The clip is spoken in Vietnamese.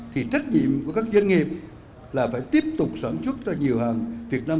thì trách nhiệm của các doanh nghiệp là phải tiếp tục sản xuất ra nhiều hàng việt nam